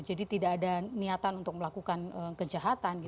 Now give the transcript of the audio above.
jadi tidak ada niatan untuk melakukan kejahatan